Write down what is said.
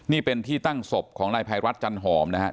นี่เป็นที่ตั้งศพของนายภัยรัฐจันหอมนะครับ